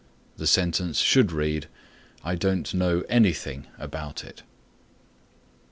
The sentence should read "I don't know anything about it."